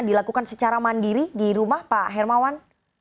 dilakukan secara mandiri di rumah pak hermawan